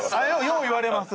よう言われます。